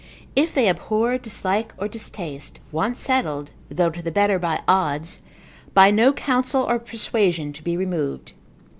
If they abhor, dislike, or distaste, once settled, though to the better by odds, by no counsel, or persuasion, to be removed.